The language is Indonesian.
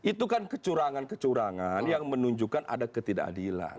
itu kan kecurangan kecurangan yang menunjukkan ada ketidakadilan